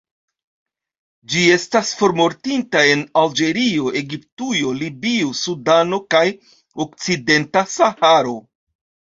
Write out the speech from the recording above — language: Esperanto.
Ĝi estas formortinta en Alĝerio, Egiptujo, Libio, Sudano kaj okcidenta Saharo.